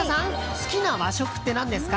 好きな和食って何ですか？